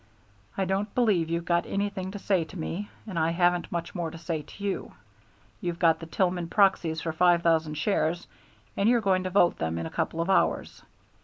"I don't believe you've got anything to say to me, and I haven't much more to say to you. You've got the Tillman proxies for five thousand shares and you're going to vote them in a couple of hours.